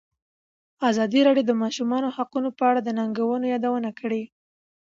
ازادي راډیو د د ماشومانو حقونه په اړه د ننګونو یادونه کړې.